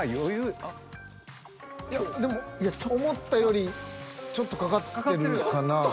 いやでも思ったよりちょっとかかってるかな。